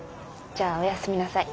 じゃあお休みなさい。